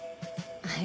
はい。